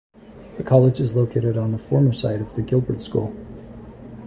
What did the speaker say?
The College is located on the former site of the Gilberd School.